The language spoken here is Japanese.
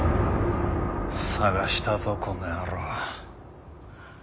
捜したぞこの野郎。